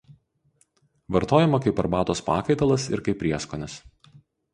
Vartojama kaip arbatos pakaitalas ir kaip prieskonis.